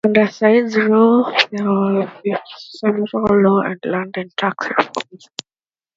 Under Sa'id's rule there were several law, land and tax reforms.